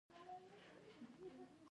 د پامه غورځول شوی دی.